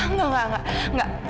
enggak enggak enggak